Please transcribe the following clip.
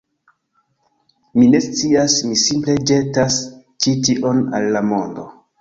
Mi ne scias, mi simple ĵetas ĉi tion al la mondo